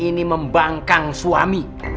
ini membangkang suami